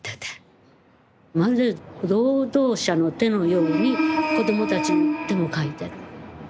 まるで労働者の手のように子どもたちの手も描いてる。